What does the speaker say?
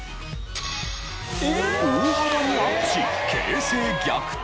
大幅にアップし形勢逆転。